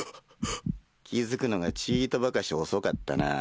気付くのがちいとばかし遅かったなぁ。